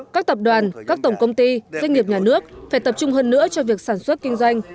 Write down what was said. các tập đoàn các tổng công ty doanh nghiệp nhà nước phải tập trung hơn nữa cho việc sản xuất kinh doanh